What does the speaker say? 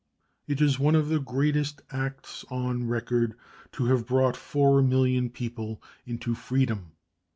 It is one of the greatest acts on record to have brought 4,000,000 people into freedom.